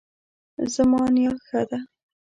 زما نیا ښه ده